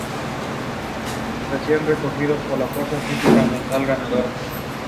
Golikov was posthumously nominated for the title of Hero of the Soviet Union.